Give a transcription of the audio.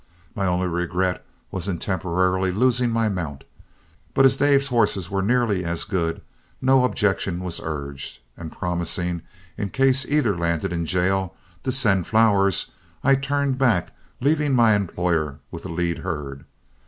My only regret was in temporarily losing my mount; but as Dave's horses were nearly as good, no objection was urged, and promising, in case either landed in jail, to send flowers, I turned back, leaving my employer with the lead herd.